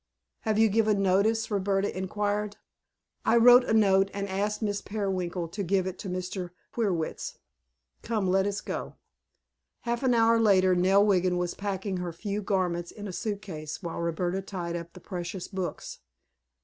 "Have you given notice?" Roberta inquired. "I wrote a note and asked Miss Peerwinkle to give it to Mr. Queerwitz. Come, let us go." Half an hour later Nell Wiggin was packing her few garments in a suitcase, while Roberta tied up the precious books.